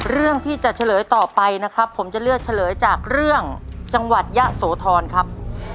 เรื่องที่จะเฉลยต่อไปนะครับผมจะเลือกเฉลยจากเรื่องจังหวัดยะโสธรครับ